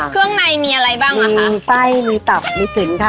เครื่องในมีอะไรบ้างค่ะ